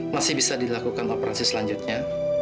masih bisa dilakukan operasi selanjutnya